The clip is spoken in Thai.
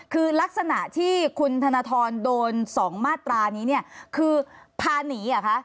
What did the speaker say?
คือลักษณะที่คุณธนทรโดน๒มาตรานี้เนี่ยคือพาหนีเหรอคะ